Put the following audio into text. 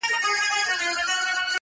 سلا کار به د پاچا او د امیر یې.!